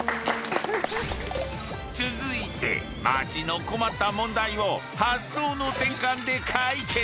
続いて街の困った問題を発想の転換で解決！